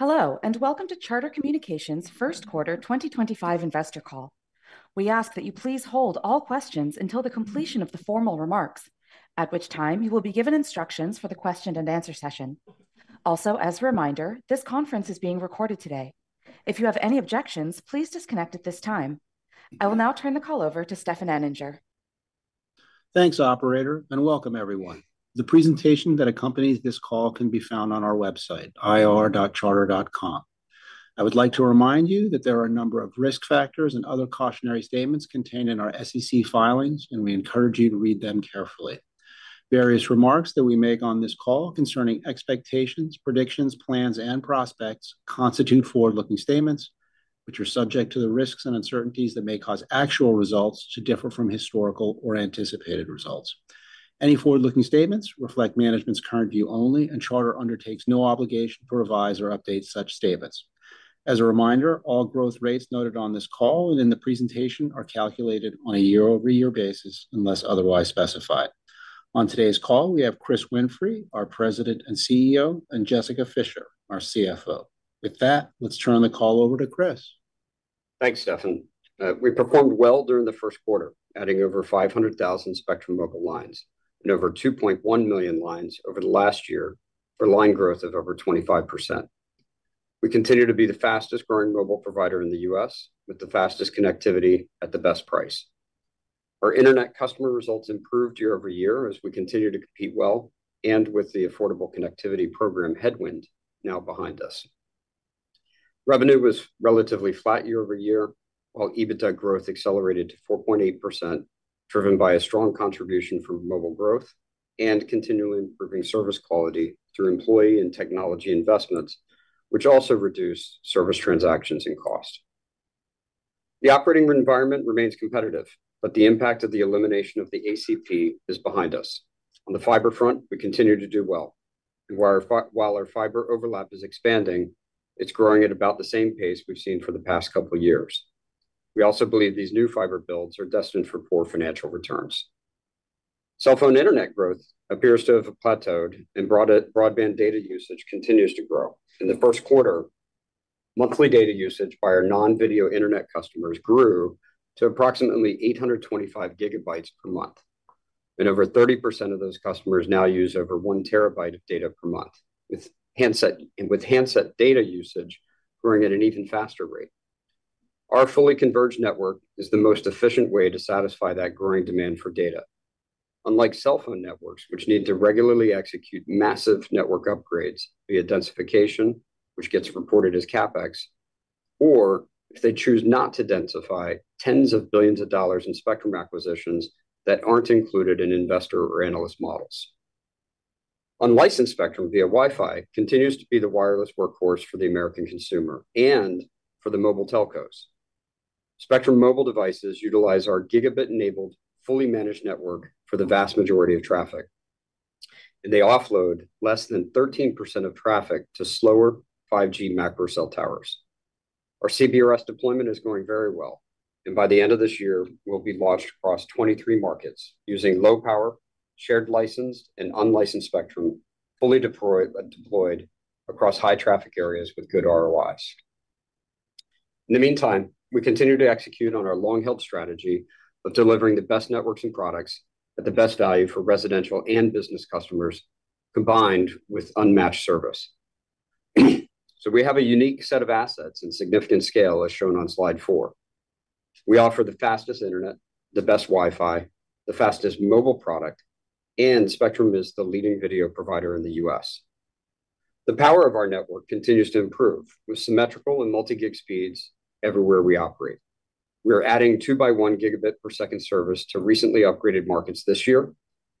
Hello, and welcome to Charter Communications' First Quarter 2025 Investor Call. We ask that you please hold all questions until the completion of the formal remarks, at which time you will be given instructions for the question-and-answer session. Also, as a reminder, this conference is being recorded today. If you have any objections, please disconnect at this time. I will now turn the call over to Stefan Anninger. Thanks, Operator, and welcome, everyone. The presentation that accompanies this call can be found on our website, ir.charter.com. I would like to remind you that there are a number of risk factors and other cautionary statements contained in our SEC filings, and we encourage you to read them carefully. Various remarks that we make on this call concerning expectations, predictions, plans, and prospects constitute forward-looking statements, which are subject to the risks and uncertainties that may cause actual results to differ from historical or anticipated results. Any forward-looking statements reflect management's current view only, and Charter undertakes no obligation to revise or update such statements. As a reminder, all growth rates noted on this call and in the presentation are calculated on a year-over-year basis unless otherwise specified. On today's call, we have Chris Winfrey, our President and CEO, and Jessica Fischer, our CFO. With that, let's turn the call over to Chris. Thanks, Stefan. We performed well during the first quarter, adding over 500,000 Spectrum Mobile lines and over 2.1 million lines over the last year for line growth of over 25%. We continue to be the fastest-growing mobile provider in the U.S., with the fastest connectivity at the best price. Our internet customer results improved year-over-year as we continue to compete well and with the Affordable Connectivity Program headwind now behind us. Revenue was relatively flat year-over-year, while EBITDA growth accelerated to 4.8%, driven by a strong contribution from mobile growth and continually improving service quality through employee and technology investments, which also reduced service transactions and cost. The operating environment remains competitive, but the impact of the elimination of the ACP is behind us. On the fiber front, we continue to do well. While our fiber overlap is expanding, it's growing at about the same pace we've seen for the past couple of years. We also believe these new fiber builds are destined for poor financial returns. Cell phone internet growth appears to have plateaued, and broadband data usage continues to grow. In the first quarter, monthly data usage by our non-video internet customers grew to approximately 825 gigabytes per month, and over 30% of those customers now use over one terabyte of data per month, with handset data usage growing at an even faster rate. Our fully converged network is the most efficient way to satisfy that growing demand for data, unlike cell phone networks, which need to regularly execute massive network upgrades via densification, which gets reported as CAPEX, or if they choose not to densify tens of billions of dollars in spectrum acquisitions that are not included in investor or analyst models. Unlicensed spectrum via Wi-Fi continues to be the wireless workhorse for the American consumer and for the mobile telcos. Spectrum Mobile devices utilize our gigabit-enabled, fully managed network for the vast majority of traffic, and they offload less than 13% of traffic to slower 5G macro or cell towers. Our CBRS deployment is going very well, and by the end of this year, we will be launched across 23 markets using low-power, shared-licensed, and unlicensed spectrum fully deployed across high-traffic areas with good ROIs. In the meantime, we continue to execute on our long-held strategy of delivering the best networks and products at the best value for residential and business customers, combined with unmatched service. We have a unique set of assets and significant scale, as shown on slide four. We offer the fastest internet, the best Wi-Fi, the fastest mobile product, and Spectrum is the leading video provider in the U.S. The power of our network continues to improve, with symmetrical and multi-gig speeds everywhere we operate. We are adding 2x1 gigabit per second service to recently upgraded markets this year,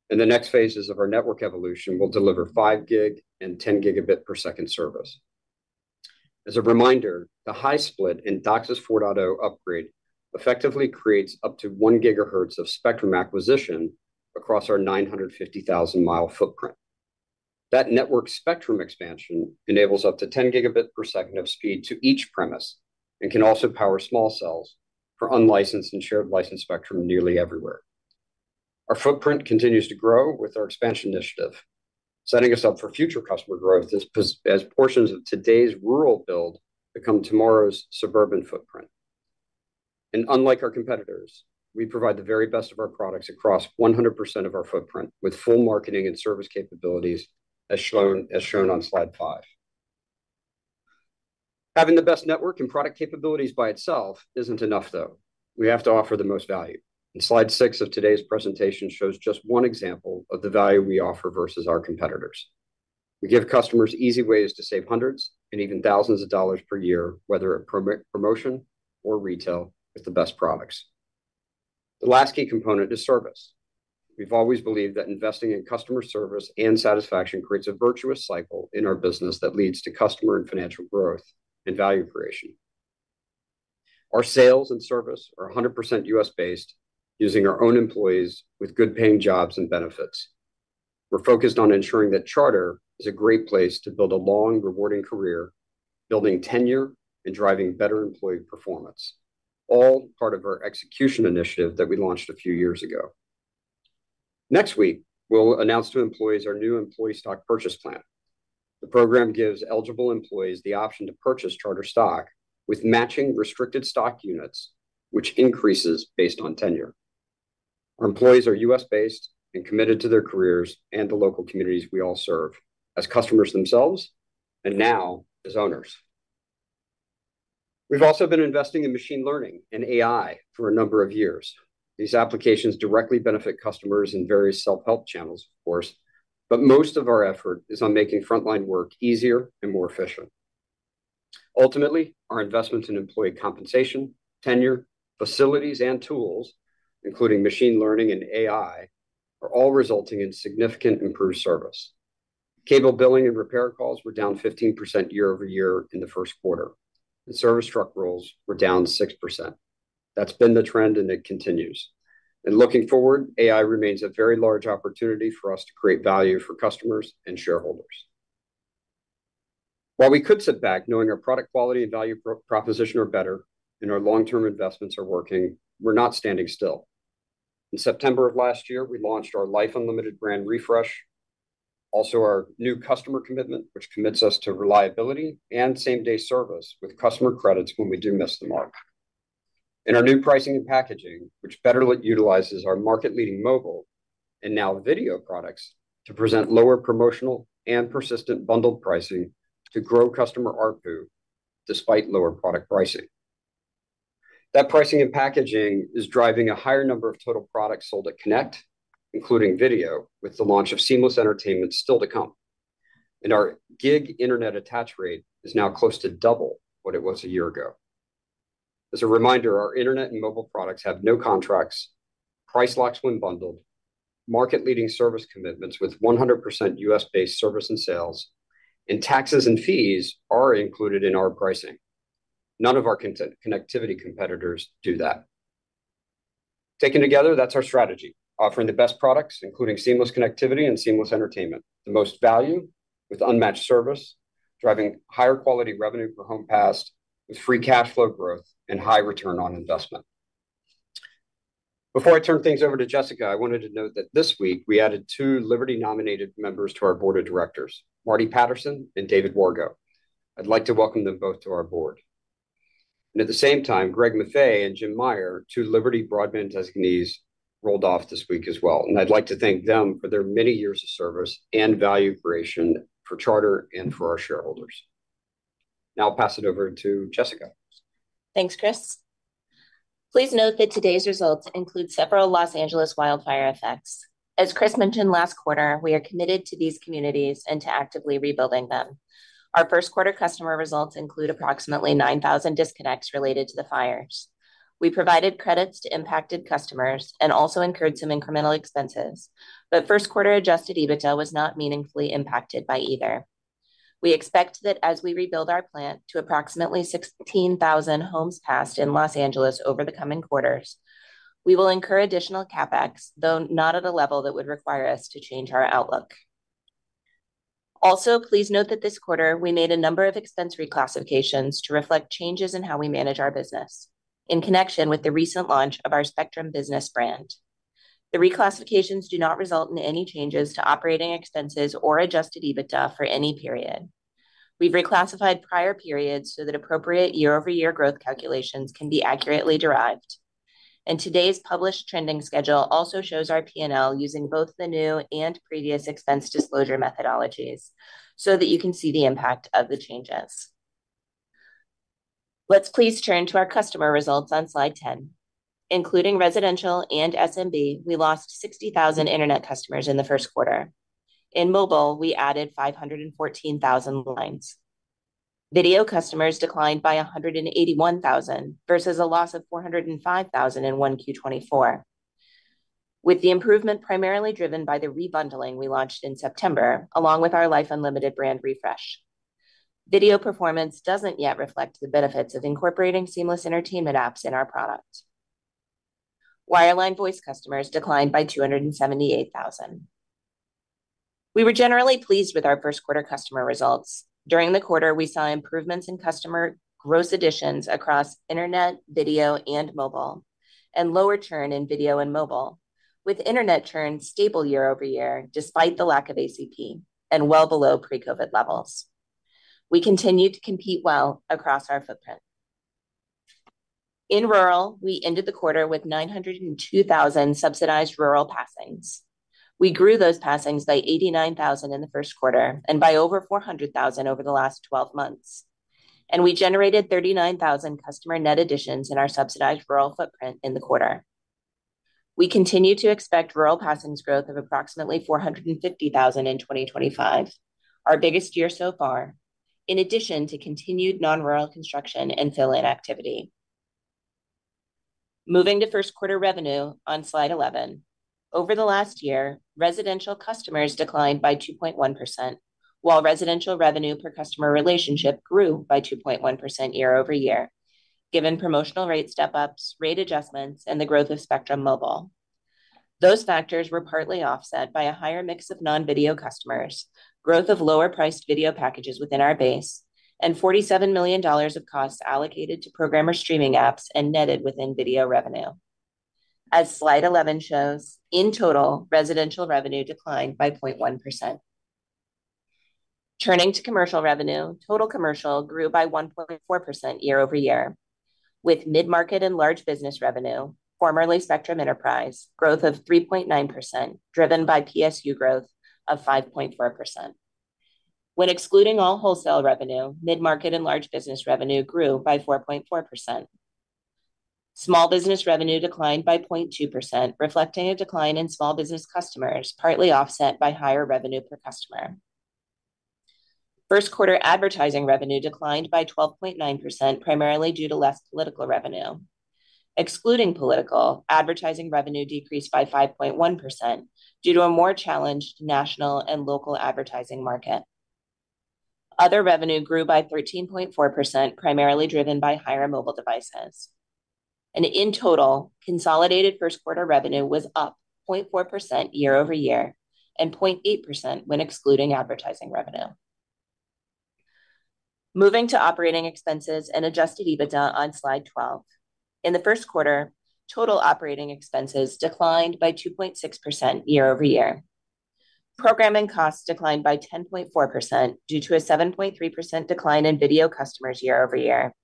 and the next phases of our network evolution will deliver 5 gig and 10 gigabit per second service. As a reminder, the high split in DOCSIS 4.0 upgrade effectively creates up to 1 gigahertz of spectrum acquisition across our 950,000-mile footprint. That network spectrum expansion enables up to 10 gigabit per second of speed to each premise and can also power small cells for unlicensed and shared-licensed spectrum nearly everywhere. Our footprint continues to grow with our expansion initiative, setting us up for future customer growth as portions of today's rural build become tomorrow's suburban footprint. Unlike our competitors, we provide the very best of our products across 100% of our footprint with full marketing and service capabilities, as shown on slide five. Having the best network and product capabilities by itself is not enough, though. We have to offer the most value. Slide six of today's presentation shows just one example of the value we offer versus our competitors. We give customers easy ways to save hundreds and even thousands of dollars per year, whether at promotion or retail, with the best products. The last key component is service. We've always believed that investing in customer service and satisfaction creates a virtuous cycle in our business that leads to customer and financial growth and value creation. Our sales and service are 100% US-based, using our own employees with good-paying jobs and benefits. We're focused on ensuring that Charter is a great place to build a long, rewarding career, building tenure and driving better employee performance, all part of our execution initiative that we launched a few years ago. Next week, we'll announce to employees our new employee stock purchase plan. The program gives eligible employees the option to purchase Charter stock with matching restricted stock units, which increases based on tenure. Our employees are US-based and committed to their careers and the local communities we all serve as customers themselves and now as owners. We've also been investing in machine learning and AI for a number of years. These applications directly benefit customers in various self-help channels, of course, but most of our effort is on making frontline work easier and more efficient. Ultimately, our investments in employee compensation, tenure, facilities, and tools, including machine learning and AI, are all resulting in significant improved service. Cable billing and repair calls were down 15% year-over-year in the first quarter, and service truck rolls were down 6%. That has been the trend, and it continues. Looking forward, AI remains a very large opportunity for us to create value for customers and shareholders. While we could sit back knowing our product quality and value proposition are better and our long-term investments are working, we are not standing still. In September of last year, we launched our Life Unlimited brand refresh, also our new customer commitment, which commits us to reliability and same-day service with customer credits when we do miss the mark. Our new pricing and packaging, which better utilizes our market-leading mobile and now video products to present lower promotional and persistent bundled pricing to grow customer ARPU despite lower product pricing. That pricing and packaging is driving a higher number of total products sold at Connect, including video, with the launch of Seamless Entertainment still to come. Our gig internet attach rate is now close to double what it was a year ago. As a reminder, our internet and mobile products have no contracts, price locks when bundled, market-leading service commitments with 100% US-based service and sales, and taxes and fees are included in our pricing. None of our connectivity competitors do that. Taken together, that's our strategy, offering the best products, including seamless connectivity and Seamless Entertainment, the most value with unmatched service, driving higher quality revenue for home passed with free cash flow growth and high return on investment. Before I turn things over to Jessica, I wanted to note that this week we added two Liberty-nominated members to our board of directors, Marty Patterson and David Wargo. I'd like to welcome them both to our board. At the same time, Greg Maffei and Jim Meyer, two Liberty Broadband designees, rolled off this week as well. I'd like to thank them for their many years of service and value creation for Charter and for our shareholders. Now I'll pass it over to Jessica. Thanks, Chris. Please note that today's results include several Los Angeles wildfire effects. As Chris mentioned last quarter, we are committed to these communities and to actively rebuilding them. Our first quarter customer results include approximately 9,000 disconnects related to the fires. We provided credits to impacted customers and also incurred some incremental expenses, but first-quarter adjusted EBITDA was not meaningfully impacted by either. We expect that as we rebuild our plant to approximately 16,000 homes passed in Los Angeles over the coming quarters, we will incur additional CAPEX, though not at a level that would require us to change our outlook. Also, please note that this quarter we made a number of expense reclassifications to reflect changes in how we manage our business in connection with the recent launch of our Spectrum Business brand. The reclassifications do not result in any changes to operating expenses or adjusted EBITDA for any period. We have reclassified prior periods so that appropriate year-over-year growth calculations can be accurately derived. Today's published trending schedule also shows our P&L using both the new and previous expense disclosure methodologies so that you can see the impact of the changes. Please turn to our customer results on slide 10. Including residential and SMB, we lost 60,000 internet customers in the first quarter. In mobile, we added 514,000 lines. Video customers declined by 181,000 versus a loss of 405,000 in 1Q 2024, with the improvement primarily driven by the rebundling we launched in September, along with our Life Unlimited brand refresh. Video performance does not yet reflect the benefits of incorporating Seamless Entertainment apps in our product. Wireline voice customers declined by 278,000. We were generally pleased with our first-quarter customer results. During the quarter, we saw improvements in customer gross additions across internet, video, and mobile, and lower churn in video and mobile, with internet churn stable year-over-year despite the lack of ACP and well below pre-COVID levels. We continue to compete well across our footprint. In rural, we ended the quarter with 902,000 subsidized rural passings. We grew those passings by 89,000 in the first quarter and by over 400,000 over the last 12 months. We generated 39,000 customer net additions in our subsidized rural footprint in the quarter. We continue to expect rural passings growth of approximately 450,000 in 2025, our biggest year so far, in addition to continued non-rural construction and fill-in activity. Moving to first-quarter revenue on slide 11, over the last year, residential customers declined by 2.1%, while residential revenue per customer relationship grew by 2.1% year-over-year, given promotional rate step-ups, rate adjustments, and the growth of Spectrum Mobile. Those factors were partly offset by a higher mix of non-video customers, growth of lower-priced video packages within our base, and $47 million of costs allocated to programmer streaming apps and netted within video revenue. As slide 11 shows, in total, residential revenue declined by 0.1%. Turning to commercial revenue, total commercial grew by 1.4% year-over-year, with mid-market and large business revenue, formerly Spectrum Enterprise, growth of 3.9%, driven by PSU growth of 5.4%. When excluding all wholesale revenue, mid-market and large business revenue grew by 4.4%. Small business revenue declined by 0.2%, reflecting a decline in small business customers, partly offset by higher revenue per customer. First-quarter advertising revenue declined by 12.9%, primarily due to less political revenue. Excluding political, advertising revenue decreased by 5.1% due to a more challenged national and local advertising market. Other revenue grew by 13.4%, primarily driven by higher mobile devices. In total, consolidated first-quarter revenue was up 0.4% year-over-year and 0.8% when excluding advertising revenue. Moving to operating expenses and adjusted EBITDA on slide 12. In the first quarter, total operating expenses declined by 2.6% year-over-year. Programming costs declined by 10.4% due to a 7.3% decline in video customers year-over-year,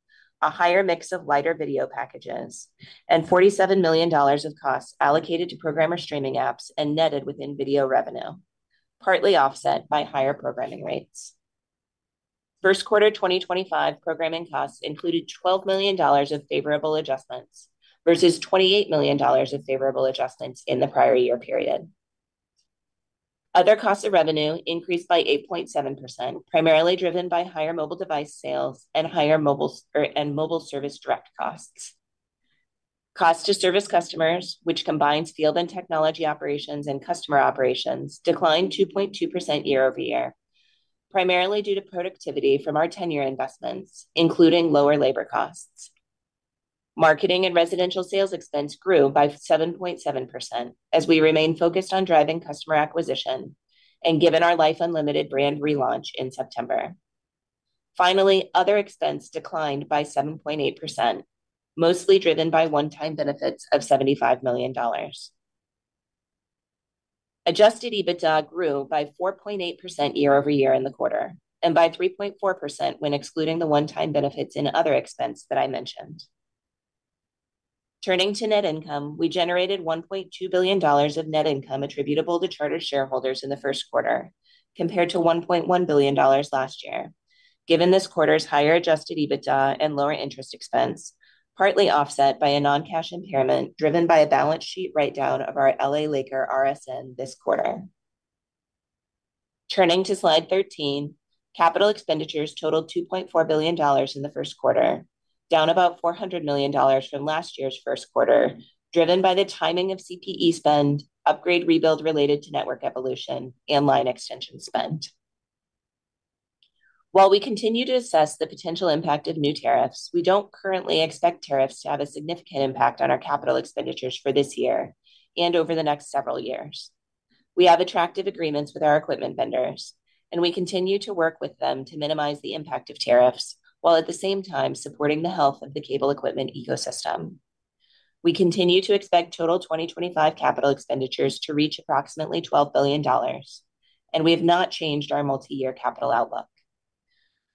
a higher mix of lighter video packages, and $47 million of costs allocated to programmer streaming apps and netted within video revenue, partly offset by higher programming rates. First quarter 2025 programming costs included $12 million of favorable adjustments versus $28 million of favorable adjustments in the prior year period. Other costs of revenue increased by 8.7%, primarily driven by higher mobile device sales and higher mobile service direct costs. Cost-to-service customers, which combines field and technology operations and customer operations, declined 2.2% year-over-year, primarily due to productivity from our tenure investments, including lower labor costs. Marketing and residential sales expense grew by 7.7% as we remain focused on driving customer acquisition and given our Life Unlimited brand relaunch in September. Finally, other expense declined by 7.8%, mostly driven by one-time benefits of $75 million. Adjusted EBITDA grew by 4.8% year-over-year in the quarter and by 3.4% when excluding the one-time benefits in other expense that I mentioned. Turning to net income, we generated $1.2 billion of net income attributable to Charter shareholders in the first quarter, compared to $1.1 billion last year, given this quarter's higher adjusted EBITDA and lower interest expense, partly offset by a non-cash impairment driven by a balance sheet write-down of our LA Laker RSN this quarter. Turning to slide 13, capital expenditures totaled $2.4 billion in the first quarter, down about $400 million from last year's first quarter, driven by the timing of CPE spend, upgrade rebuild related to network evolution, and line extension spend. While we continue to assess the potential impact of new tariffs, we do not currently expect tariffs to have a significant impact on our capital expenditures for this year and over the next several years. We have attractive agreements with our equipment vendors, and we continue to work with them to minimize the impact of tariffs while at the same time supporting the health of the cable equipment ecosystem. We continue to expect total 2025 capital expenditures to reach approximately $12 billion, and we have not changed our multi-year capital outlook.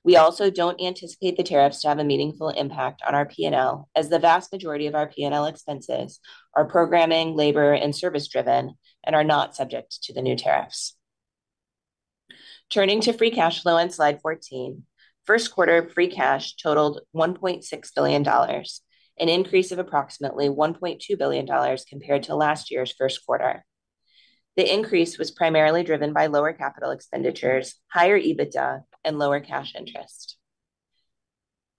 We also do not anticipate the tariffs to have a meaningful impact on our P&L, as the vast majority of our P&L expenses are programming, labor, and service-driven and are not subject to the new tariffs. Turning to free cash flow on slide 14, first quarter free cash totaled $1.6 billion, an increase of approximately $1.2 billion compared to last year's first quarter. The increase was primarily driven by lower capital expenditures, higher EBITDA, and lower cash interest.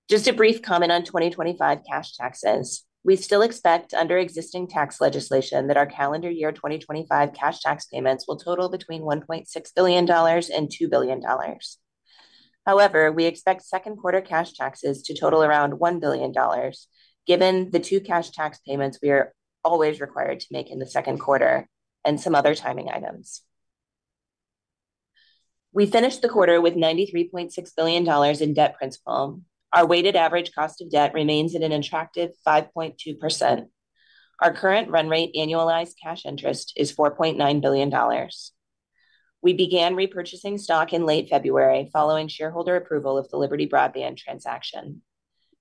Just a brief comment on 2025 cash taxes. We still expect under existing tax legislation that our calendar year 2025 cash tax payments will total between $1.6 billion and $2 billion. However, we expect second quarter cash taxes to total around $1 billion, given the two cash tax payments we are always required to make in the second quarter and some other timing items. We finished the quarter with $93.6 billion in debt principal. Our weighted average cost of debt remains at an attractive 5.2%. Our current run rate annualized cash interest is $4.9 billion. We began repurchasing stock in late February following shareholder approval of the Liberty Broadband transaction.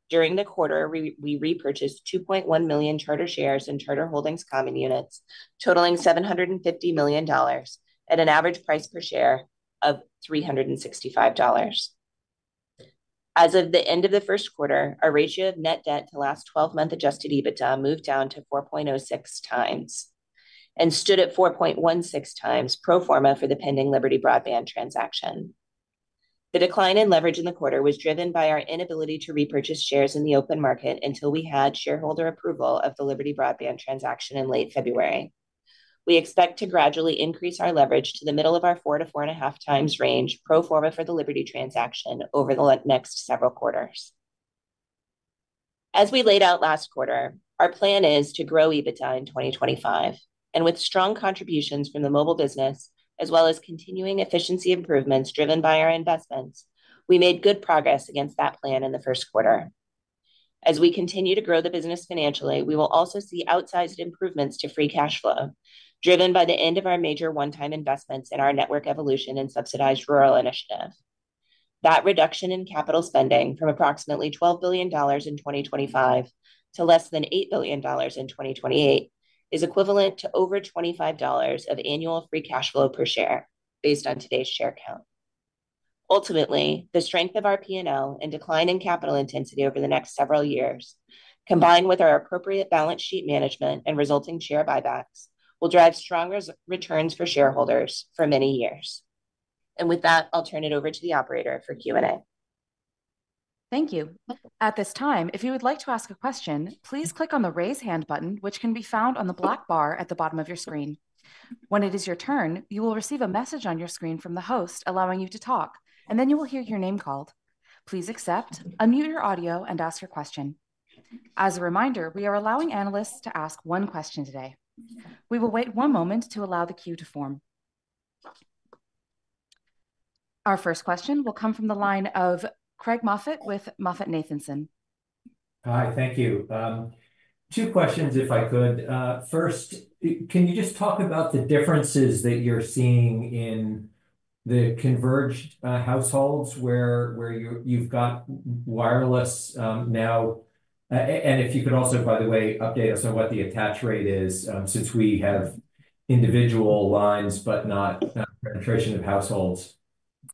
During the quarter, we repurchased 2.1 million Charter shares in Charter Holdings Common Units, totaling $750 million at an average price per share of $365. As of the end of the first quarter, our ratio of net debt to last 12-month adjusted EBITDA moved down to 4.06 times and stood at 4.16 times pro forma for the pending Liberty Broadband transaction. The decline in leverage in the quarter was driven by our inability to repurchase shares in the open market until we had shareholder approval of the Liberty Broadband transaction in late February. We expect to gradually increase our leverage to the middle of our four to four and a half times range pro forma for the Liberty transaction over the next several quarters. As we laid out last quarter, our plan is to grow EBITDA in 2025. With strong contributions from the mobile business, as well as continuing efficiency improvements driven by our investments, we made good progress against that plan in the first quarter. As we continue to grow the business financially, we will also see outsized improvements to free cash flow, driven by the end of our major one-time investments in our network evolution and subsidized rural initiative. That reduction in capital spending from approximately $12 billion in 2025 to less than $8 billion in 2028 is equivalent to over $25 of annual free cash flow per share based on today's share count. Ultimately, the strength of our P&L and decline in capital intensity over the next several years, combined with our appropriate balance sheet management and resulting share buybacks, will drive stronger returns for shareholders for many years. With that, I'll turn it over to the operator for Q&A. Thank you. At this time, if you would like to ask a question, please click on the raise hand button, which can be found on the black bar at the bottom of your screen. When it is your turn, you will receive a message on your screen from the host allowing you to talk, and then you will hear your name called. Please accept, unmute your audio, and ask your question. As a reminder, we are allowing analysts to ask one question today. We will wait one moment to allow the queue to form. Our first question will come from the line of Craig Moffett with MoffettNathanson. Hi, thank you. Two questions, if I could. First, can you just talk about the differences that you're seeing in the converged households where you've got wireless now? If you could also, by the way, update us on what the attach rate is since we have individual lines, but not penetration of households.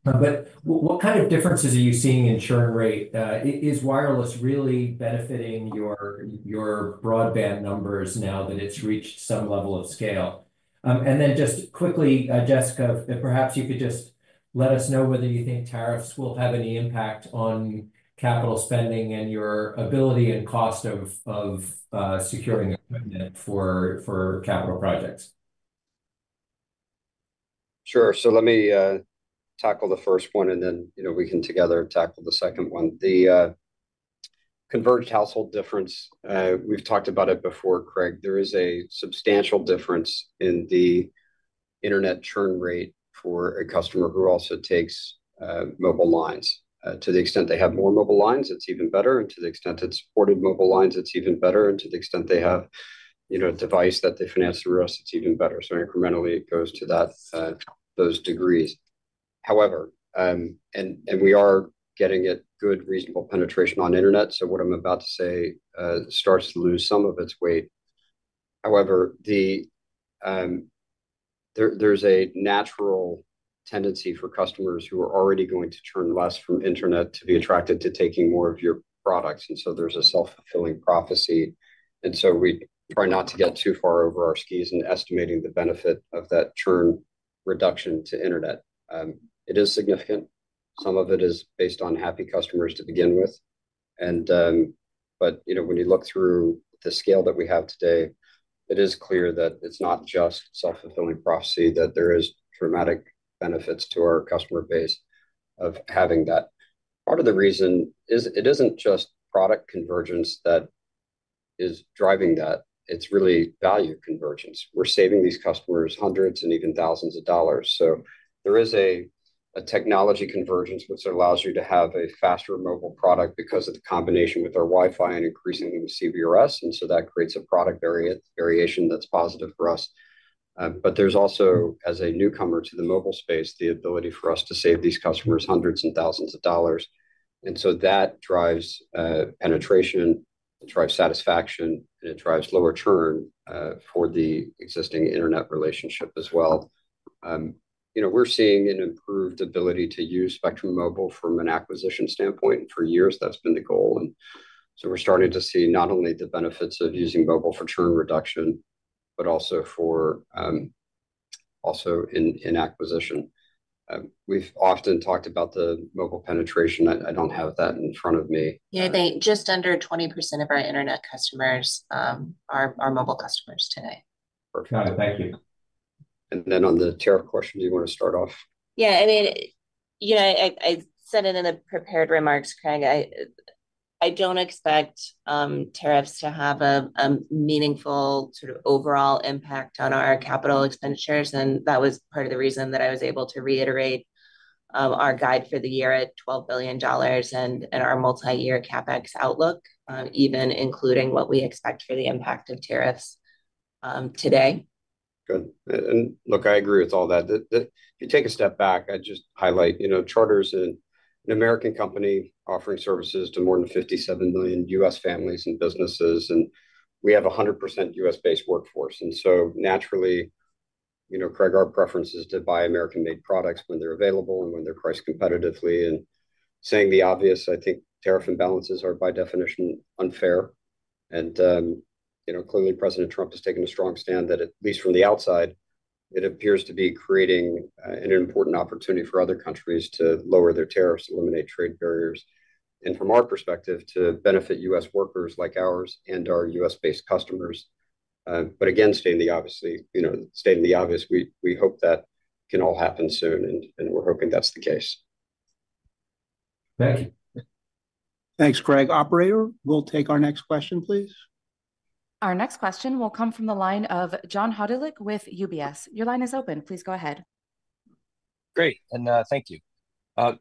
What kind of differences are you seeing in churn rate? Is wireless really benefiting your broadband numbers now that it's reached some level of scale? Just quickly, Jessica, perhaps you could just let us know whether you think tariffs will have any impact on capital spending and your ability and cost of securing equipment for capital projects. Sure. Let me tackle the first one, and then we can together tackle the second one. The converged household difference, we've talked about it before, Craig. There is a substantial difference in the internet churn rate for a customer who also takes mobile lines. To the extent they have more mobile lines, it's even better. To the extent it's supported mobile lines, it's even better. To the extent they have a device that they finance through us, it's even better. Incrementally, it goes to those degrees. However, we are getting good, reasonable penetration on internet, so what I'm about to say starts to lose some of its weight. There is a natural tendency for customers who are already going to churn less from internet to be attracted to taking more of your products. There is a self-fulfilling prophecy. We try not to get too far over our skis in estimating the benefit of that churn reduction to internet. It is significant. Some of it is based on happy customers to begin with. When you look through the scale that we have today, it is clear that it is not just self-fulfilling prophecy that there are dramatic benefits to our customer base of having that. Part of the reason is it is not just product convergence that is driving that. It is really value convergence. We are saving these customers hundreds and even thousands of dollars. There is a technology convergence which allows you to have a faster mobile product because of the combination with our Wi-Fi and increasingly with CBRS. That creates a product variation that is positive for us. There is also, as a newcomer to the mobile space, the ability for us to save these customers hundreds and thousands of dollars. That drives penetration, it drives satisfaction, and it drives lower churn for the existing internet relationship as well. We are seeing an improved ability to use Spectrum Mobile from an acquisition standpoint. For years, that has been the goal. We are starting to see not only the benefits of using mobile for churn reduction, but also in acquisition. We have often talked about the mobile penetration. I do not have that in front of me. Yeah, I think just under 20% of our internet customers are mobile customers today. Okay. Thank you. On the tariff question, do you want to start off? Yeah. I mean, I said it in the prepared remarks, Craig. I do not expect tariffs to have a meaningful sort of overall impact on our capital expenditures. That was part of the reason that I was able to reiterate our guide for the year at $12 billion and our multi-year CapEx outlook, even including what we expect for the impact of tariffs today. Good. Look, I agree with all that. If you take a step back, I'd just highlight Charter is an American company offering services to more than 57 million U.S. families and businesses. We have a 100% U.S.-based workforce. Naturally, Craig, our preference is to buy American-made products when they're available and when they're priced competitively. Stating the obvious, I think tariff imbalances are by definition unfair. Clearly, President Trump has taken a strong stand that at least from the outside, it appears to be creating an important opportunity for other countries to lower their tariffs, eliminate trade barriers, and from our perspective, to benefit U.S. workers like ours and our U.S.-based customers. Again, stating the obvious, we hope that can all happen soon, and we're hoping that's the case. Thank you. Thanks, Craig. Operator, we'll take our next question, please. Our next question will come from the line of John Hodulik with UBS. Your line is open. Please go ahead. Great. Thank you.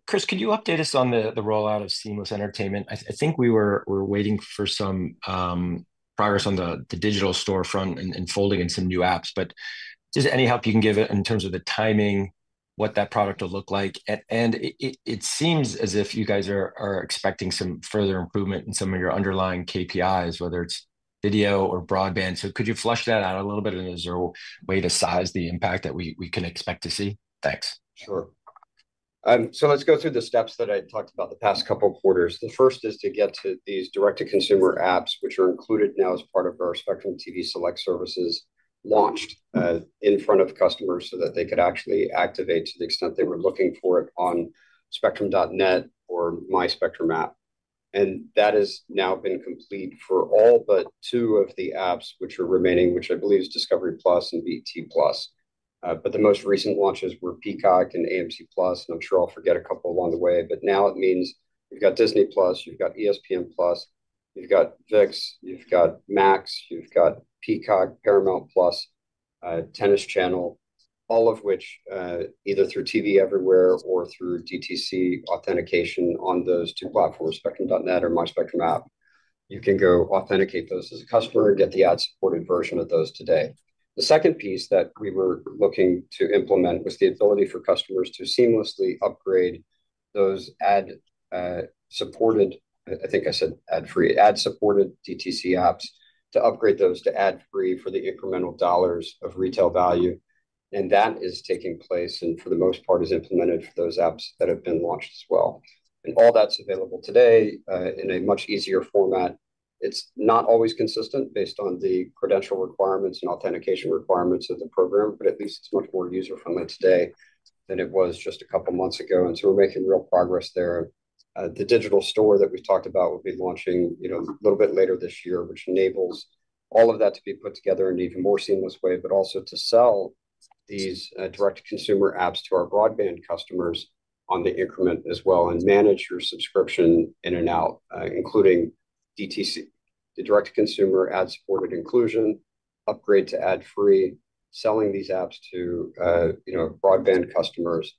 Chris, could you update us on the rollout of Seamless Entertainment? I think we were waiting for some progress on the digital storefront and folding in some new apps. Is there any help you can give in terms of the timing, what that product will look like? It seems as if you guys are expecting some further improvement in some of your underlying KPIs, whether it's video or broadband. Could you flush that out a little bit? Is there a way to size the impact that we can expect to see? Thanks. Sure. Let's go through the steps that I talked about the past couple of quarters. The first is to get to these direct-to-consumer apps, which are included now as part of our Spectrum TV Select services, launched in front of customers so that they could actually activate to the extent they were looking for it on spectrum.net or My Spectrum app. That has now been complete for all but two of the apps which are remaining, which I believe is Discovery+ and AMC+. The most recent launches were Peacock and AMC+. I'm sure I'll forget a couple along the way. Now it means you've got Disney+, you've got ESPN+, you've got Vix, you've got Max, you've got Peacock, Paramount+, Tennis Channel, all of which either through TV Everywhere or through DTC authentication on those two platforms, spectrum.net or My Spectrum app. You can go authenticate those as a customer and get the ad-supported version of those today. The second piece that we were looking to implement was the ability for customers to seamlessly upgrade those ad-supported—I think I said ad-free—ad-supported DTC apps to upgrade those to ad-free for the incremental dollars of retail value. That is taking place and for the most part is implemented for those apps that have been launched as well. All that's available today in a much easier format. It's not always consistent based on the credential requirements and authentication requirements of the program, but at least it's much more user-friendly today than it was just a couple of months ago. We are making real progress there. The digital store that we've talked about will be launching a little bit later this year, which enables all of that to be put together in an even more seamless way, but also to sell these direct-to-consumer apps to our broadband customers on the increment as well and manage your subscription in and out, including DTC, the direct-to-consumer ad-supported inclusion, upgrade to ad-free, selling these apps to broadband customers,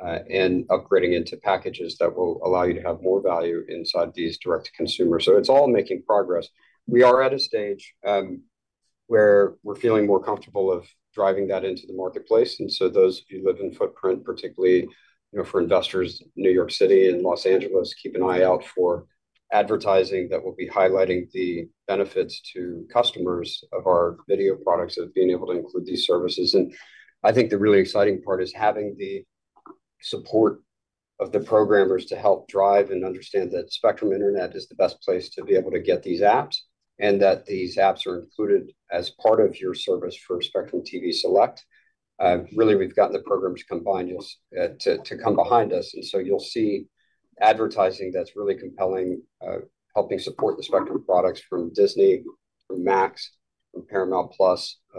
and upgrading into packages that will allow you to have more value inside these direct-to-consumers. It's all making progress. We are at a stage where we're feeling more comfortable of driving that into the marketplace. Those of you who live in footprint, particularly for investors, New York City and Los Angeles, keep an eye out for advertising that will be highlighting the benefits to customers of our video products of being able to include these services. I think the really exciting part is having the support of the programmers to help drive and understand that Spectrum Internet is the best place to be able to get these apps and that these apps are included as part of your service for Spectrum TV Select. Really, we have gotten the programs combined to come behind us. You will see advertising that is really compelling, helping support the Spectrum products from Disney, from Max, from Paramount+.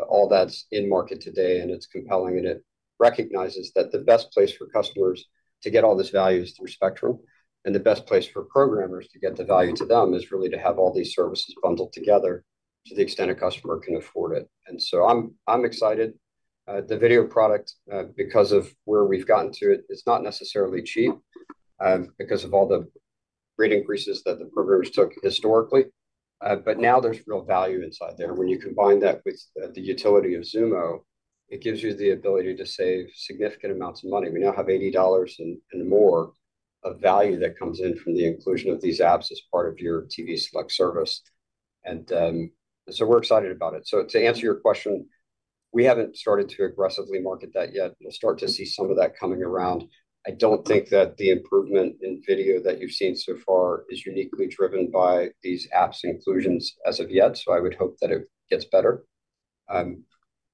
All that is in market today, and it is compelling, and it recognizes that the best place for customers to get all this value is through Spectrum. The best place for programmers to get the value to them is really to have all these services bundled together to the extent a customer can afford it. I am excited. The video product, because of where we have gotten to it, is not necessarily cheap because of all the rate increases that the programmers took historically. Now there is real value inside there. When you combine that with the utility of Xumo, it gives you the ability to save significant amounts of money. We now have $80 and more of value that comes in from the inclusion of these apps as part of your TV Select service. I am excited about it. To answer your question, we have not started to aggressively market that yet. We will start to see some of that coming around. I don't think that the improvement in video that you've seen so far is uniquely driven by these apps inclusions as of yet. I would hope that it gets better.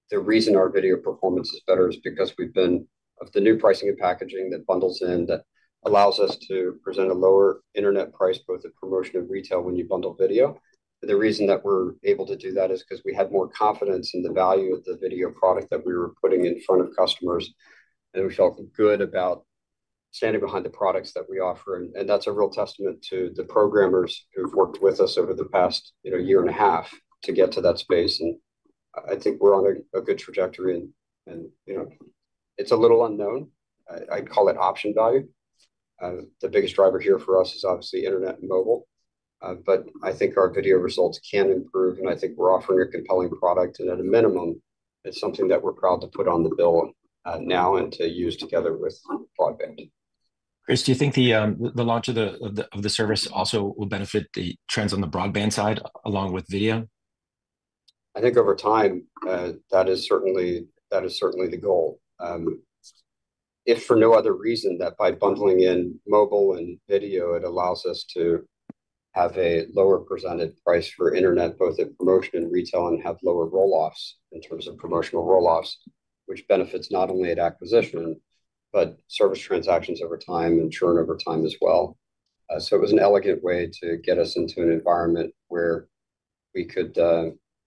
The reason our video performance is better is because we've been of the new pricing and packaging that bundles in that allows us to present a lower internet price both at promotion and retail when you bundle video. The reason that we're able to do that is because we had more confidence in the value of the video product that we were putting in front of customers. We felt good about standing behind the products that we offer. That's a real testament to the programmers who've worked with us over the past year and a half to get to that space. I think we're on a good trajectory. It's a little unknown. I'd call it option value. The biggest driver here for us is obviously internet and mobile. I think our video results can improve. I think we're offering a compelling product. At a minimum, it's something that we're proud to put on the bill now and to use together with broadband. Chris, do you think the launch of the service also will benefit the trends on the broadband side along with video? I think over time, that is certainly the goal. If for no other reason than by bundling in mobile and video, it allows us to have a lower presented price for internet, both at promotion and retail, and have lower rolloffs in terms of promotional rolloffs, which benefits not only at acquisition, but service transactions over time and churn over time as well. It was an elegant way to get us into an environment where we could,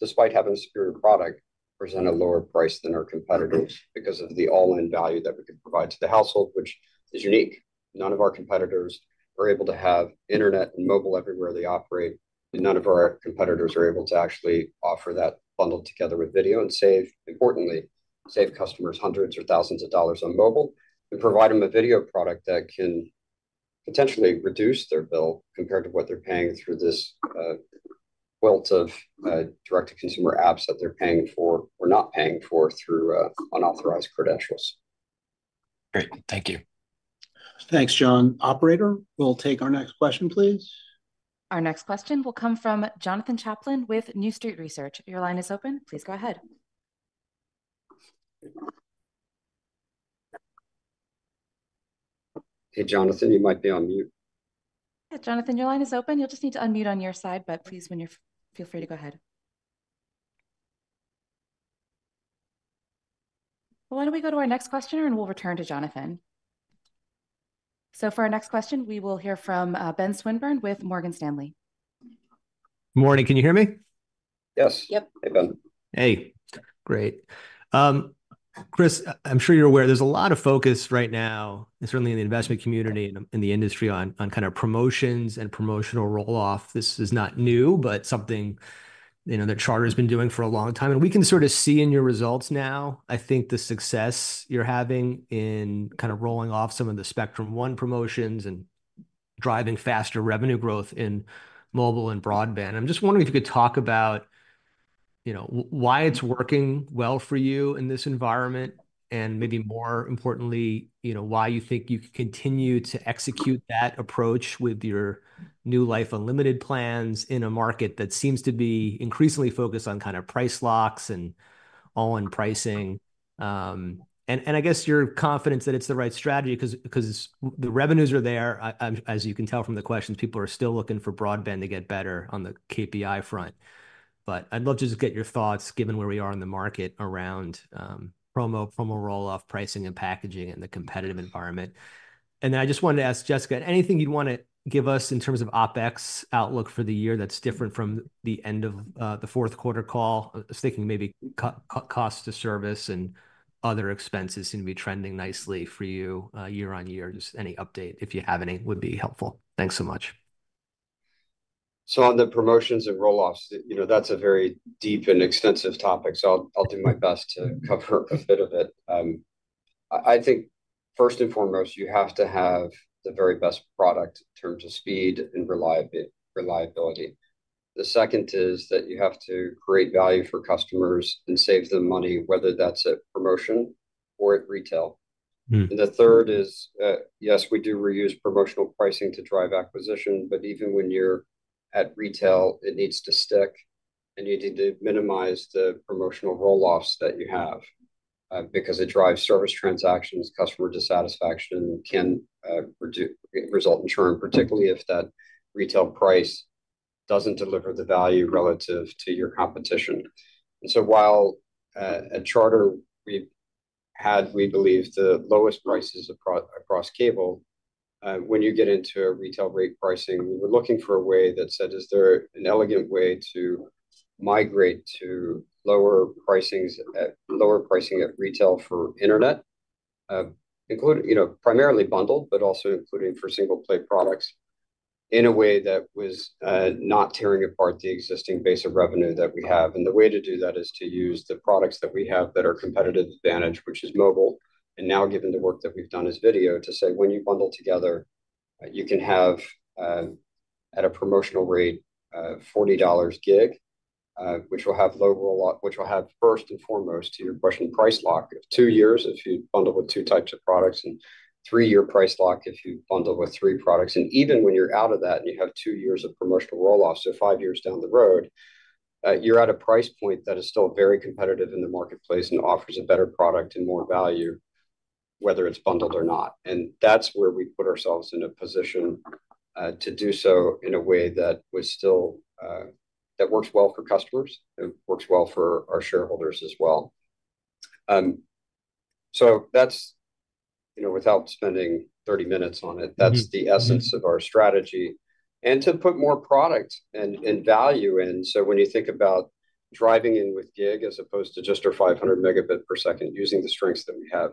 despite having a superior product, present a lower price than our competitors because of the all-in value that we could provide to the household, which is unique. None of our competitors are able to have internet and mobile everywhere they operate. None of our competitors are able to actually offer that bundled together with video and, importantly, save customers hundreds or thousands of dollars on mobile and provide them a video product that can potentially reduce their bill compared to what they're paying through this wealth of direct-to-consumer apps that they're paying for or not paying for through unauthorized credentials. Great. Thank you. Thanks, John. Operator, we'll take our next question, please. Our next question will come from Jonathan Chaplin with New Street Research. Your line is open. Please go ahead. Hey, Jonathan, you might be on mute. Yeah, Jonathan, your line is open. You'll just need to unmute on your side, but please feel free to go ahead. Why don't we go to our next questioner, and we'll return to Jonathan. For our next question, we will hear from Ben Swinburne with Morgan Stanley. Morning. Can you hear me? Yes. Yep. Hey, Ben. Hey. Great. Chris, I'm sure you're aware. There's a lot of focus right now, certainly in the investment community and in the industry on kind of promotions and promotional rolloff. This is not new, but something that Charter has been doing for a long time. We can sort of see in your results now, I think, the success you're having in kind of rolling off some of the Spectrum One promotions and driving faster revenue growth in mobile and broadband. I'm just wondering if you could talk about why it's working well for you in this environment and maybe more importantly, why you think you can continue to execute that approach with your new life unlimited plans in a market that seems to be increasingly focused on kind of price locks and all-in pricing. I guess your confidence that it's the right strategy because the revenues are there. As you can tell from the questions, people are still looking for broadband to get better on the KPI front. I’d love to just get your thoughts, given where we are in the market around promo rolloff, pricing, and packaging in the competitive environment. I just wanted to ask Jessica, anything you’d want to give us in terms of OpEx outlook for the year that’s different from the end of the fourth quarter call? I was thinking maybe cost to service and other expenses seem to be trending nicely for you year on year. Just any update, if you have any, would be helpful. Thanks so much. On the promotions and rolloffs, that's a very deep and extensive topic. I'll do my best to cover a bit of it. I think first and foremost, you have to have the very best product in terms of speed and reliability. The second is that you have to create value for customers and save them money, whether that's at promotion or at retail. The third is, yes, we do reuse promotional pricing to drive acquisition, but even when you're at retail, it needs to stick. You need to minimize the promotional rolloffs that you have because it drives service transactions. Customer dissatisfaction can result in churn, particularly if that retail price doesn't deliver the value relative to your competition. While at Charter, we had, we believe, the lowest prices across cable. When you get into retail rate pricing, we were looking for a way that said, is there an elegant way to migrate to lower pricing at retail for internet, primarily bundled, but also including for single-play products in a way that was not tearing apart the existing base of revenue that we have. The way to do that is to use the products that we have that are competitive advantage, which is mobile. Now, given the work that we've done as video, to say, when you bundle together, you can have at a promotional rate $40 gig, which will have low rolloff, which will have first and foremost, to your question, price lock of two years if you bundle with two types of products and three-year price lock if you bundle with three products. Even when you're out of that and you have two years of promotional rolloff, five years down the road, you're at a price point that is still very competitive in the marketplace and offers a better product and more value, whether it's bundled or not. That is where we put ourselves in a position to do so in a way that works well for customers and works well for our shareholders as well. Without spending 30 minutes on it, that's the essence of our strategy. To put more product and value in. When you think about driving in with gig as opposed to just our 500 megabit per second, using the strengths that we have,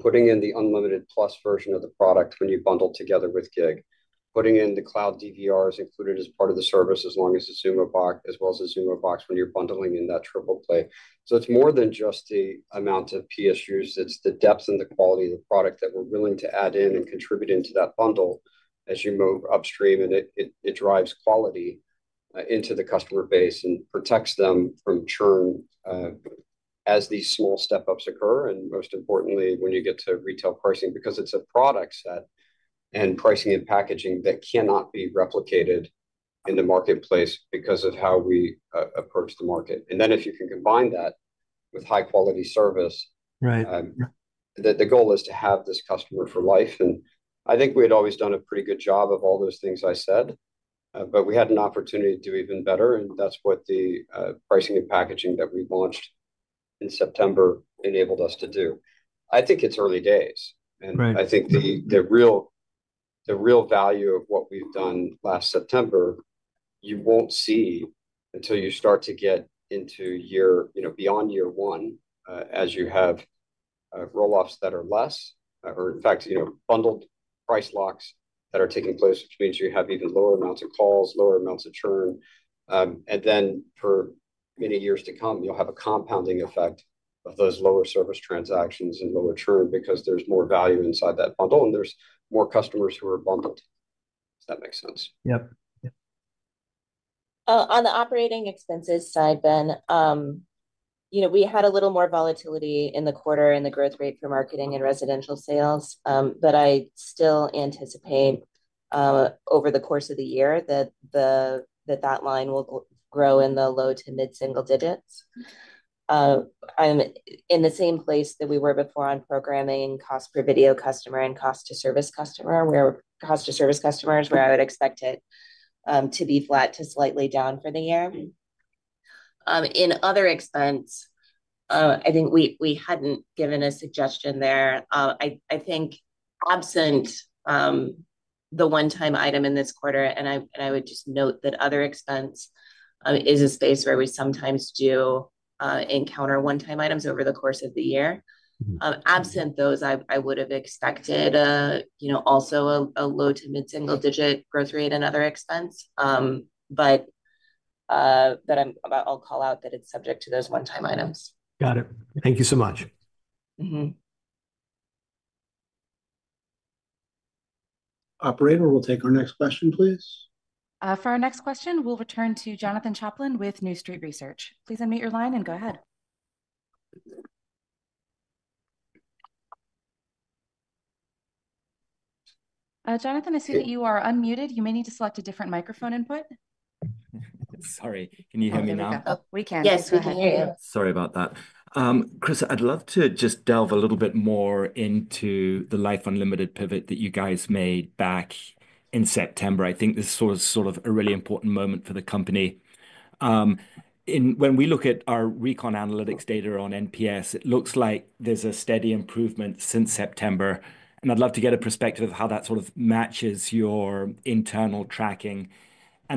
putting in the unlimited+ version of the product when you bundle together with gig, putting in the cloud DVRs included as part of the service as long as the Xumo Box as well as the Xumo Box when you're bundling in that triple play. It is more than just the amount of PSUs. It is the depth and the quality of the product that we're willing to add in and contribute into that bundle as you move upstream. It drives quality into the customer base and protects them from churn as these small step-ups occur. Most importantly, when you get to retail pricing, because it's a product set and pricing and packaging that cannot be replicated in the marketplace because of how we approach the market. If you can combine that with high-quality service, the goal is to have this customer for life. I think we had always done a pretty good job of all those things I said, but we had an opportunity to do even better. That's what the pricing and packaging that we launched in September enabled us to do. I think it's early days. I think the real value of what we've done last September, you won't see until you start to get into beyond year one as you have rolloffs that are less or, in fact, bundled price locks that are taking place, which means you have even lower amounts of calls, lower amounts of churn. For many years to come, you'll have a compounding effect of those lower service transactions and lower churn because there's more value inside that bundle and there's more customers who are bundled, if that makes sense. Yep. On the operating expenses side, Ben, we had a little more volatility in the quarter and the growth rate for marketing and residential sales. I still anticipate over the course of the year that that line will grow in the low to mid-single digits. I'm in the same place that we were before on programming and cost per video customer and cost to service customer, where cost to service customers, where I would expect it to be flat to slightly down for the year. In other expense, I think we hadn't given a suggestion there. I think absent the one-time item in this quarter, and I would just note that other expense is a space where we sometimes do encounter one-time items over the course of the year. Absent those, I would have expected also a low to mid-single digit growth rate in other expense, but I'll call out that it's subject to those one-time items. Got it. Thank you so much. Operator, we'll take our next question, please. For our next question, we'll return to Jonathan Chaplin with New Street Research. Please unmute your line and go ahead. Jonathan, I see that you are unmuted. You may need to select a different microphone input. Sorry. Can you hear me now? We can. Yes, we can hear you. Sorry about that. Chris, I'd love to just delve a little bit more into the life unlimited pivot that you guys made back in September. I think this is sort of a really important moment for the company. When we look at our Recon Analytics data on NPS, it looks like there's a steady improvement since September. I'd love to get a perspective of how that sort of matches your internal tracking. I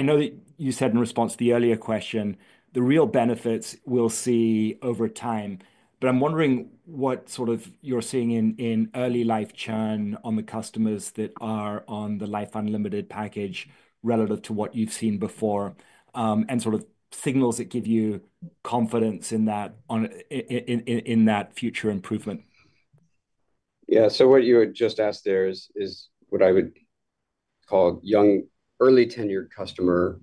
know that you said in response to the earlier question, the real benefits we'll see over time. I'm wondering what sort of you're seeing in early life churn on the customers that are on the life unlimited package relative to what you've seen before and sort of signals that give you confidence in that future improvement. Yeah. What you had just asked there is what I would call early tenured customer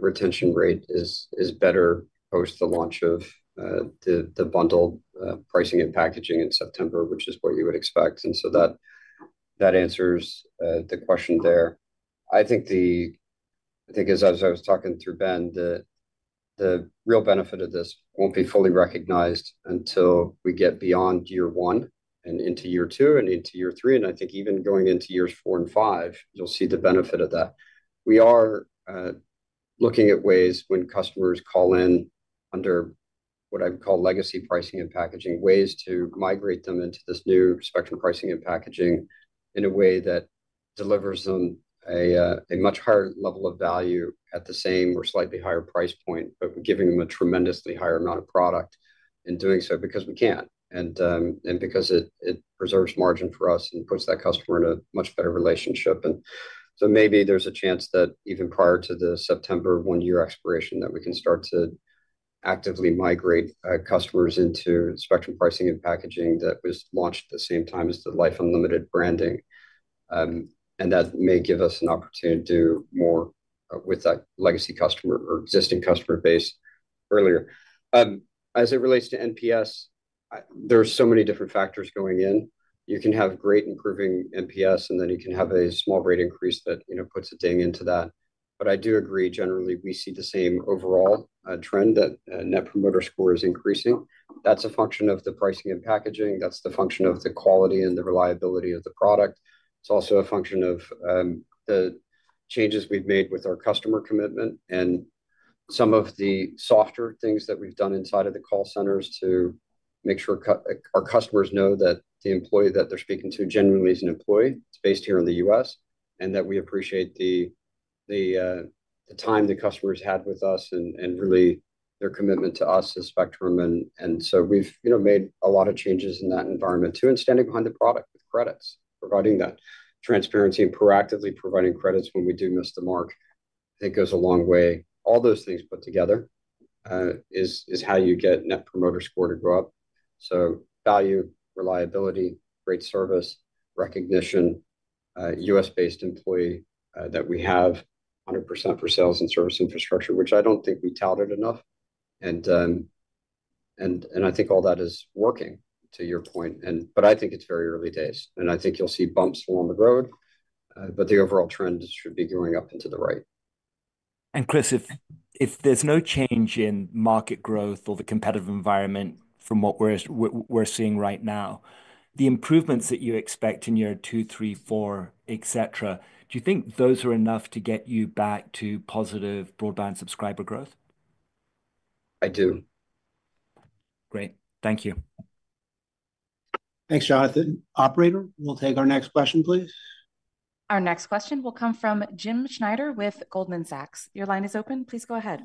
retention rate is better post the launch of the bundled pricing and packaging in September, which is what you would expect. That answers the question there. I think, as I was talking through Ben, that the real benefit of this won't be fully recognized until we get beyond year one and into year two and into year three. I think even going into years four and five, you'll see the benefit of that. We are looking at ways when customers call in under what I would call legacy pricing and packaging, ways to migrate them into this new Spectrum pricing and packaging in a way that delivers them a much higher level of value at the same or slightly higher price point, but we're giving them a tremendously higher amount of product in doing so because we can and because it preserves margin for us and puts that customer in a much better relationship. Maybe there's a chance that even prior to the September one-year expiration that we can start to actively migrate customers into Spectrum pricing and packaging that was launched at the same time as the life unlimited branding. That may give us an opportunity to do more with that legacy customer or existing customer base earlier. As it relates to NPS, there are so many different factors going in. You can have great improving NPS, and then you can have a small rate increase that puts a ding into that. I do agree generally we see the same overall trend that net promoter score is increasing. That's a function of the pricing and packaging. That's the function of the quality and the reliability of the product. It's also a function of the changes we've made with our customer commitment and some of the softer things that we've done inside of the call centers to make sure our customers know that the employee that they're speaking to genuinely is an employee. It's based here in the U.S., and that we appreciate the time the customers had with us and really their commitment to us as Spectrum. We've made a lot of changes in that environment too and standing behind the product with credits, providing that transparency and proactively providing credits when we do miss the mark. I think goes a long way. All those things put together is how you get net promoter score to go up. Value, reliability, great service, recognition, US-based employee that we have 100% for sales and service infrastructure, which I do not think we touted enough. I think all that is working to your point. I think it is very early days. I think you'll see bumps along the road, but the overall trend should be going up into the right. Chris, if there's no change in market growth or the competitive environment from what we're seeing right now, the improvements that you expect in year two, three, four, etc., do you think those are enough to get you back to positive broadband subscriber growth? I do. Great. Thank you. Thanks, Jonathan. Operator, we'll take our next question, please. Our next question will come from Jim Schneider with Goldman Sachs. Your line is open. Please go ahead.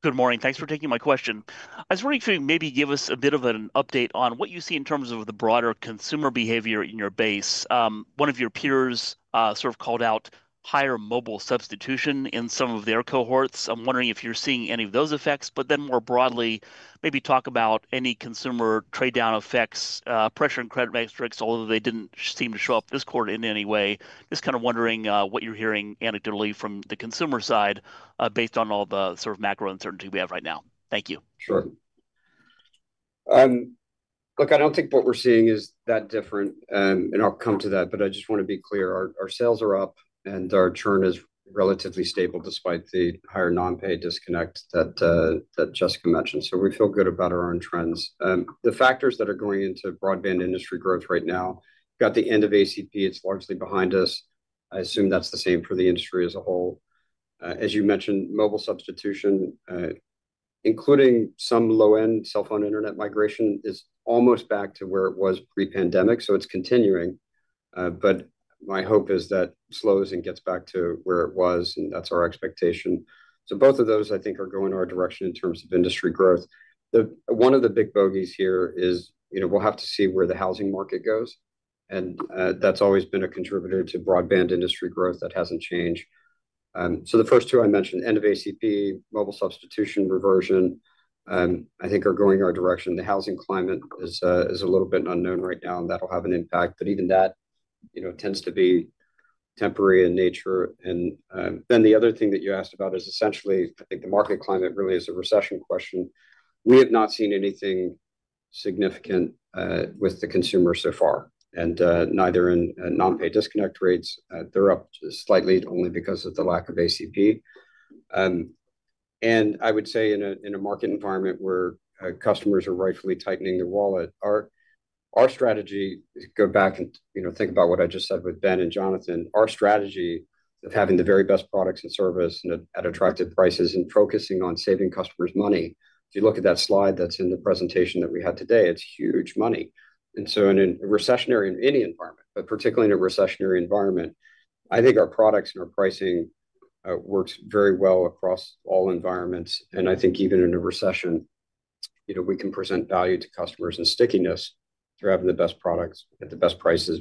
Good morning. Thanks for taking my question. I was wondering if you could maybe give us a bit of an update on what you see in terms of the broader consumer behavior in your base. One of your peers sort of called out higher mobile substitution in some of their cohorts. I'm wondering if you're seeing any of those effects. More broadly, maybe talk about any consumer trade-down effects, pressure and credit metrics, although they didn't seem to show up this quarter in any way. Just kind of wondering what you're hearing anecdotally from the consumer side based on all the sort of macro uncertainty we have right now. Thank you. Sure. Look, I do not think what we are seeing is that different. I will come to that, but I just want to be clear. Our sales are up, and our churn is relatively stable despite the higher non-pay disconnect that Jessica mentioned. We feel good about our own trends. The factors that are going into broadband industry growth right now, got the end of ACP. It is largely behind us. I assume that is the same for the industry as a whole. As you mentioned, mobile substitution, including some low-end cell phone internet migration, is almost back to where it was pre-pandemic. It is continuing. My hope is that it slows and gets back to where it was, and that is our expectation. Both of those, I think, are going in our direction in terms of industry growth. One of the big bogeys here is we'll have to see where the housing market goes. That has always been a contributor to broadband industry growth that has not changed. The first two I mentioned, end of ACP, mobile substitution reversion, I think are going in our direction. The housing climate is a little bit unknown right now, and that'll have an impact. Even that tends to be temporary in nature. The other thing that you asked about is essentially, I think the market climate really is a recession question. We have not seen anything significant with the consumer so far, and neither in non-pay disconnect rates. They're up slightly only because of the lack of ACP. I would say in a market environment where customers are rightfully tightening their wallet, our strategy is to go back and think about what I just said with Ben and Jonathan. Our strategy of having the very best products and service at attractive prices and focusing on saving customers money. If you look at that slide that is in the presentation that we had today, it is huge money. In a recessionary environment, but particularly in a recessionary environment, I think our products and our pricing work very well across all environments. I think even in a recession, we can present value to customers and stickiness through having the best products at the best prices.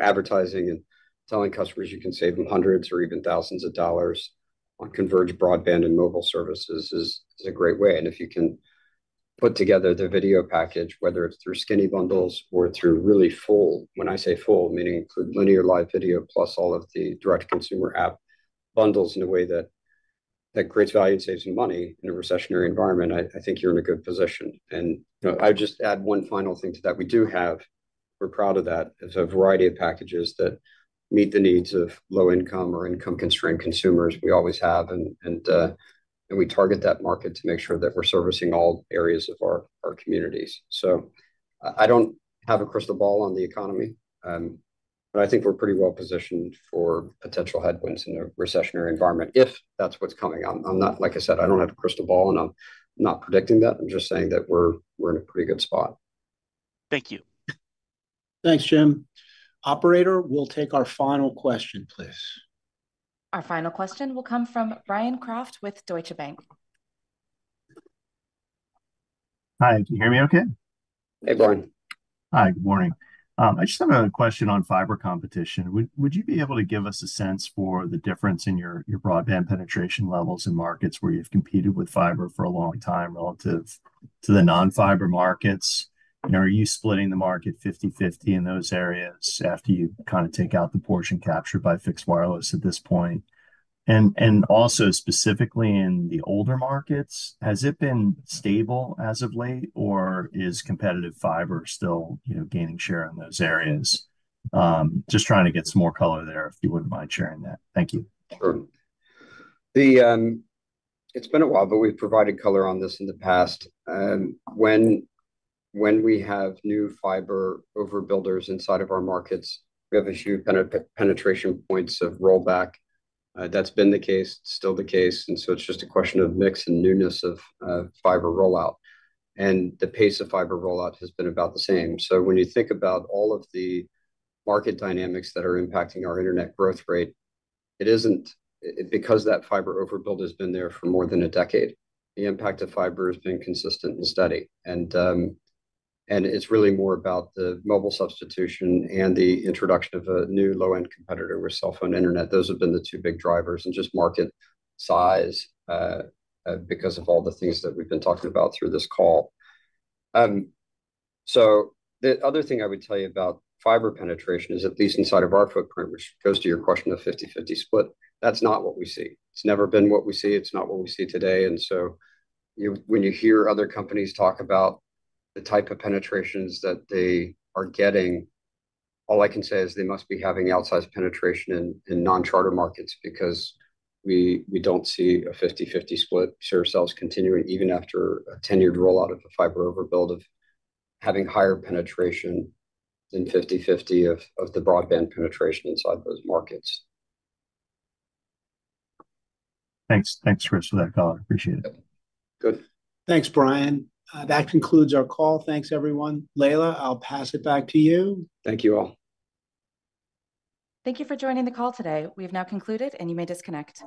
Advertising and telling customers you can save them hundreds or even thousands of dollars on converged broadband and mobile services is a great way. If you can put together the video package, whether it is through skinny bundles or through really full, when I say full, meaning linear live video plus all of the direct consumer app bundles in a way that creates value and saves you money in a recessionary environment, I think you are in a good position. I would just add one final thing to that. We do have, we are proud of that, a variety of packages that meet the needs of low-income or income-constrained consumers. We always have, and we target that market to make sure that we are servicing all areas of our communities. I do not have a crystal ball on the economy, but I think we are pretty well positioned for potential headwinds in a recessionary environment if that is what is coming. Like I said, I do not have a crystal ball, and I am not predicting that. I'm just saying that we're in a pretty good spot. Thank you. Thanks, Jim. Operator, we'll take our final question, please. Our final question will come from Bryan Kraft with Deutsche Bank. Hi. Can you hear me okay? Hey, Bryan. Hi. Good morning. I just have another question on fiber competition. Would you be able to give us a sense for the difference in your broadband penetration levels in markets where you've competed with fiber for a long time relative to the non-fiber markets? Are you splitting the market 50/50 in those areas after you kind of take out the portion captured by fixed wireless at this point? Also, specifically in the older markets, has it been stable as of late, or is competitive fiber still gaining share in those areas? Just trying to get some more color there, if you wouldn't mind sharing that. Thank you. Sure. It's been a while, but we've provided color on this in the past. When we have new fiber overbuilders inside of our markets, we have a huge penetration points of rollback. That's been the case, still the case. It is just a question of mix and newness of fiber rollout. The pace of fiber rollout has been about the same. When you think about all of the market dynamics that are impacting our internet growth rate, it isn't because that fiber overbuild has been there for more than a decade. The impact of fiber has been consistent and steady. It's really more about the mobile substitution and the introduction of a new low-end competitor with cell phone internet. Those have been the two big drivers and just market size because of all the things that we've been talking about through this call. The other thing I would tell you about fiber penetration is at least inside of our footprint, which goes to your question of 50/50 split. That's not what we see. It's never been what we see. It's not what we see today. When you hear other companies talk about the type of penetrations that they are getting, all I can say is they must be having outsized penetration in non-Charter markets because we don't see a 50/50 split. Share sales continuing even after a tenured rollout of the fiber overbuild of having higher penetration than 50/50 of the broadband penetration inside those markets. Thanks. Thanks, Chris, for that call. I appreciate it. Good. Thanks, Bryan. That concludes our call. Thanks, everyone. Leila, I'll pass it back to you. Thank you all. Thank you for joining the call today. We have now concluded, and you may disconnect.